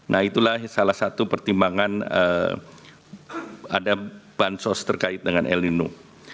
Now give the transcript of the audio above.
nah itulah salah satu pertimbangan ada bansos terkait dengan el nino